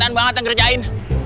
tahan banget yang kerjain